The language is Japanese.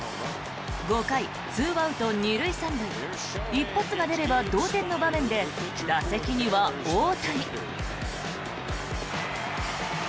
５回、２アウト２塁３塁一発が出れば同点の場面で打席には大谷。